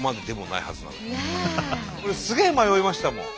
すげえ迷いましたもん。